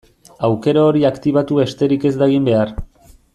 Aukera hori aktibatu besterik ez da egin behar.